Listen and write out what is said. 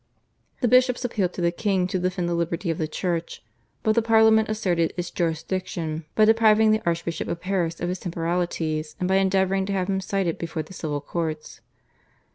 The bishops appealed to the king to defend the liberty of the Church, but the Parliament asserted its jurisdiction by depriving the Archbishop of Paris of his temporalities and by endeavouring to have him cited before the civil courts.